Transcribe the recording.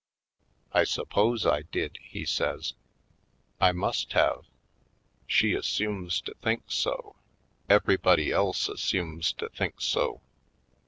"I suppose I did," he says. "I must have. She assumes to think so — everybody else assumes to think so.